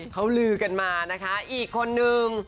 เขาลือกันมาอีกคนนึง